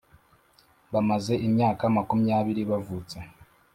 bamaze imyaka makumyabiri bavutse.